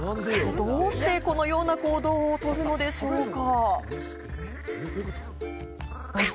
どうしてこのような行動をとるのでしょうか？